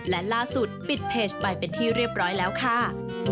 และล่าสุดปิดเพจไปเป็นที่เรียบร้อยแล้วค่ะ